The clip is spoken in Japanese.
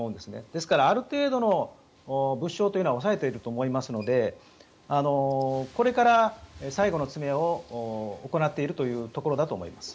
ですから、ある程度の物証は押さえていると思いますのでこれから最後の詰めを行っているというところだと思います。